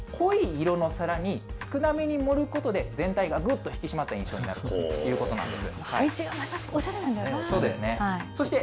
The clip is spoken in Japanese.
これは濃い色の皿に少なめに盛ることで、全体がぐっと引き締まった印象になるということなんです。